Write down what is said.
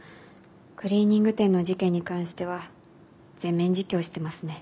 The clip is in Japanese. クリーニング店の事件に関しては全面自供してますね。